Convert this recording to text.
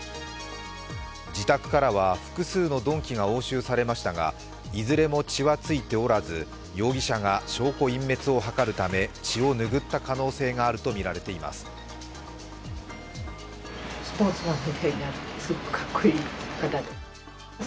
自宅からは複数の鈍器が応酬されましたがいずれも血はついておらず容疑者が証拠隠滅を図るため血をぬぐった可能性があるとみられています。